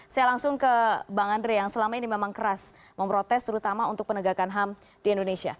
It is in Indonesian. saya langsung ke bang andre yang selama ini memang keras memprotes terutama untuk penegakan ham di indonesia